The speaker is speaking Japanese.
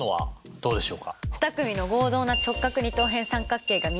どうでしょう？